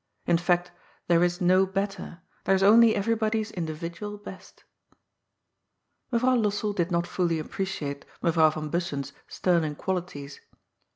In fact, there is no better ; there is only everybody's individual best. Mevrouw Lossell did not fully appreciate Mevrouw van Bussen's sterling qualities.